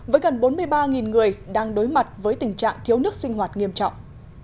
với gần bốn mươi ba người đang đối mặt với tình trạng thiếu nước sinh hoạt nghiêm trọng